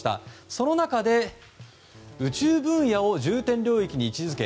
その中で宇宙分野を重点領域に位置付け